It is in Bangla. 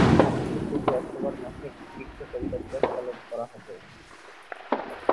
পূর্বে অক্টোবর মাসে বিশ্ব কবিতা দিবস পালন করা হত।